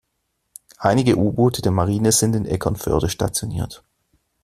Einige U-Boote der Marine sind in Eckernförde stationiert.